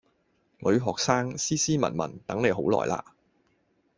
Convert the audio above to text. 女學生，斯斯文文，等你好耐喇